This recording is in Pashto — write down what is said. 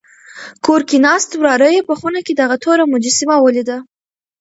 کور کې ناست وراره یې په خونه کې دغه توره مجسمه ولیده.